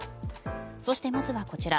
そしてまずはこちら。